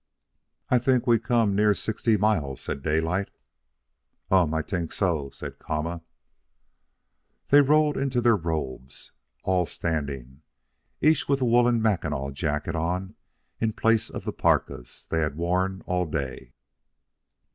"I think we come near sixty miles," said Daylight. "Um, I t'ink so," said Kama. They rolled into their robes, all standing, each with a woolen Mackinaw jacket on in place of the parkas they had worn all day.